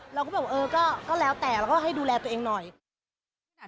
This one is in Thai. เราก็แบบเออก็แล้วแต่เราก็ให้ดูแลตัวเองหน่อย